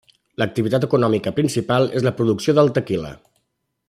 L'activitat econòmica principal és la producció del tequila.